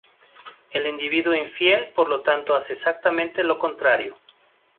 El individuo infiel, por lo tanto, hace exactamente lo contrario.